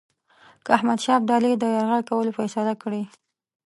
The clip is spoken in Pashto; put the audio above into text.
که احمدشاه ابدالي د یرغل کولو فیصله کړې.